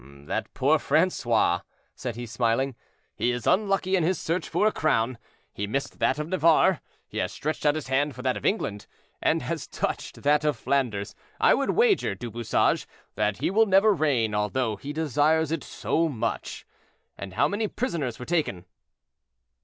"That poor Francois," said he, smiling; "he is unlucky in his search for a crown. He missed that of Navarre, he has stretched out his hand for that of England, and has touched that of Flanders; I would wager, Du Bouchage, that he will never reign, although he desires it so much. And how many prisoners were taken?"